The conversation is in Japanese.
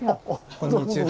こんにちは。